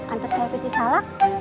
antar saya ke cisalak